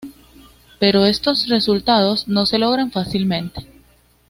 Pero estos resultados no se logran fácilmente.